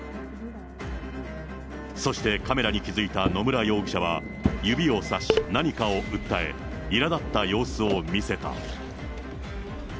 そして、カメラに気付いた野村容疑者は指をさし、何かを訴え、いらだった様子を見せた。